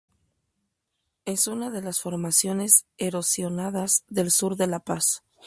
Es una de las formaciones erosionadas del sur de La Paz.